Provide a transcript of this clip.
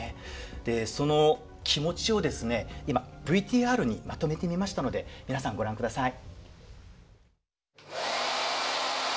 でその気持ちをですねＶＴＲにまとめてみましたので皆さんご覧ください。